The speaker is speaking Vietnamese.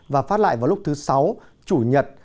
và phát lại vào lúc thứ sáu chủ nhật